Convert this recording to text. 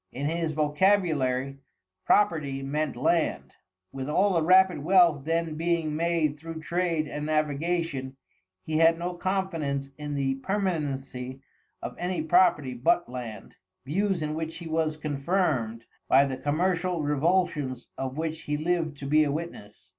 In his vocabulary, property meant land. With all the rapid wealth then being made through trade and navigation, he had no confidence in the permanency of any property but land, views in which he was confirmed by the commercial revulsions of which he lived to be a witness.